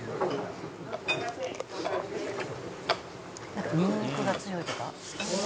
「なんかニンニクが強いとか？」